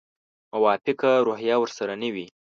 موافقه روحیه ورسره نه وي.